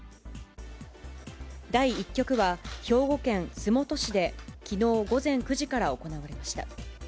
第１局は、兵庫県洲本市できのう午前９時から行われました。